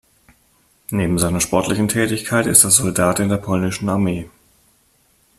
Neben seiner sportlichen Tätigkeit ist er Soldat in der polnischen Armee.